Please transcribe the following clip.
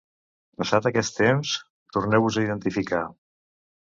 Passat aquest temps, torneu-vos a identificar.